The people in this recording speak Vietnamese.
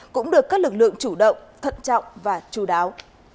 cũng được các lực lượng chủ động thận trọng và chú đáo